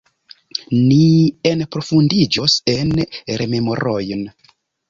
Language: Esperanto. Ni enprofundiĝos en rememorojn.